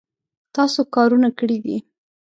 تاسو کارونه کړي دي